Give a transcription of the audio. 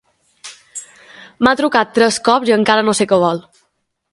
M'ha trucat tres cops i encara no sé què vol.